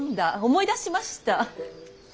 思い出しました。